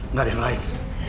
gak ada yang lain